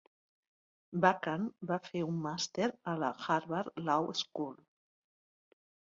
Bakan va fer un màster a la Harvard Law School.